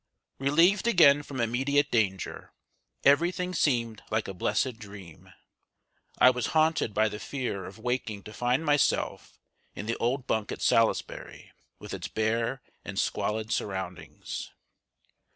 ] Relieved again from immediate danger, every thing seemed like a blessed dream. I was haunted by the fear of waking to find myself in the old bunk at Salisbury, with its bare and squalid surroundings.